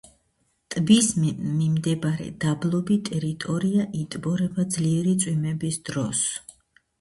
ტბის მიმდებარე დაბლობი ტერიტორია იტბორება ძლიერი წვიმების დროს.